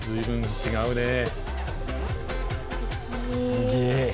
すげえ。